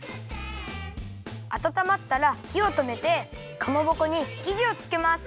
あたたまったらひをとめてかまぼこにきじをつけます。